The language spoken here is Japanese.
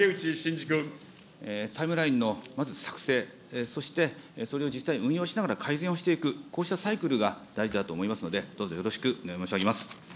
タイムラインのまず作成、そしてそれを実際に運用しながら改善をしていく、こうしたサイクルが大事だと思いますので、どうぞよろしくお願い申し上げます。